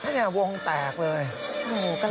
เนี่ยวงแตกเลย